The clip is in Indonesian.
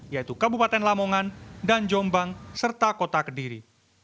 yaitu kabupaten lamongan dan jombang serta kota kediri